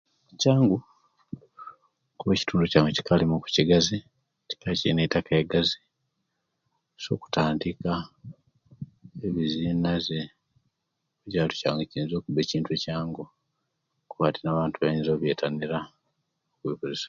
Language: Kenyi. Kyangu kuba ekitundu kyange kikaaliuku kigazi era kilina eitaka eigazi okutandika ebizinaze teyinza okuba ekintu ekyangu kuba abantu basinza obyetanala oluisi